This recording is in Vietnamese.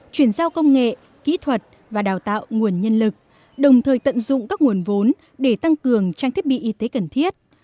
chuyển giao công nghệ kỹ thuật và đào tạo nguồn nhân lực đồng thời tận dụng các nguồn vốn để tăng cường trang thiết bị y tế cần thiết